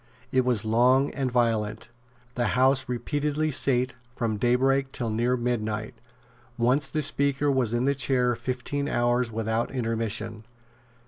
It was long and violent. The House repeatedly sate from daybreak till near midnight. Once the Speaker was in the chair fifteen hours without intermission.